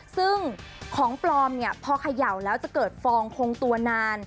ซึ่งของปลอมเนี่ยพอเขย่าแล้วจะเกิดฟองคงตัวนาน